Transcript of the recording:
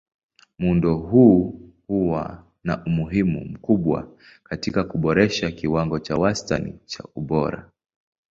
Muundo huu huwa na umuhimu mkubwa katika kuboresha kiwango cha wastani cha ubora.